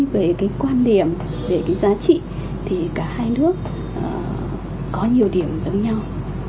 về cái quan điểm về cái giá trị thì cả hai nước có nhiều điểm giống nhau